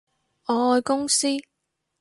我愛公司